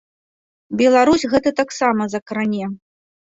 Беларусь гэта таксама закране.